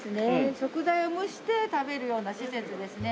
食材を蒸して食べるような施設ですね。